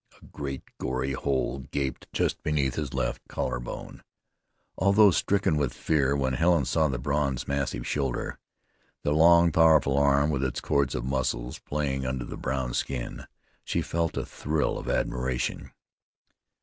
A great gory hole gaped just beneath his left collar bone. Although stricken with fear, when Helen saw the bronzed, massive shoulder, the long, powerful arm with its cords of muscles playing under the brown skin, she felt a thrill of admiration.